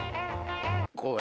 こうや。